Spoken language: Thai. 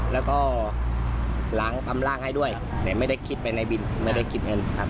แล้วก็ล้างปั๊มร่างให้ด้วยแต่ไม่ได้คิดไปในบินไม่ได้คิดเงินครับ